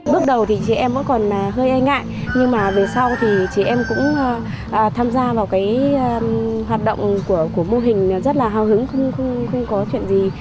bước đầu thì chị em vẫn còn hơi e ngại nhưng mà về sau thì chị em cũng tham gia vào cái hoạt động của mô hình rất là hào hứng không có chuyện gì